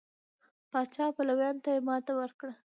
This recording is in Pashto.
پاچا پلویانو ته یې ماتې ورکړه.